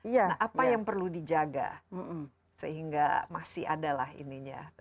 nah apa yang perlu dijaga sehingga masih adalah ininya